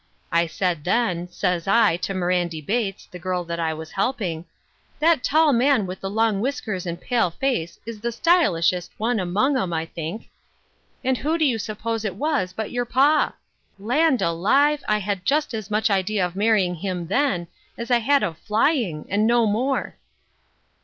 I said then — says I, to Mirandy Bates, the girl that I was helping :" That tall man with the long whiskers and pale face is the stylishest one amongst 'em, I think.*' And who do you suppose it was but your pa ! Land ahve ! I had just as much idea of maiTy ing him, then^ as I had of flying and no more."